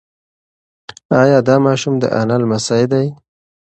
ایا دا ماشوم د انا لمسی دی؟